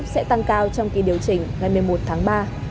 sẽ tăng cao trong kỳ điều chỉnh ngày một mươi một tháng ba